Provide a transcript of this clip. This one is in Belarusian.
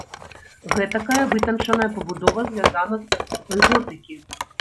Гэтакая вытанчаная пабудова звязана з эпохай готыкі.